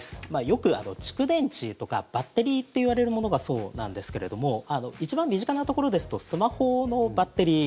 よく蓄電池とかバッテリーといわれるものがそうなんですけれども一番身近なところですとスマホのバッテリー